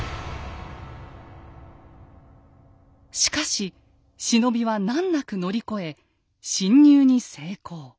しかし忍びは難なく乗り越え侵入に成功。